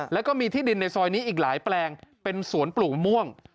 แล้วก็มีที่ดินในซอยนี้อีกหลายแปลงเป็นสวนปลูกม่วง